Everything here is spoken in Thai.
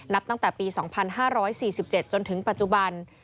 ตั้งแต่ปี๒๕๔๗จนถึงปัจจุบัน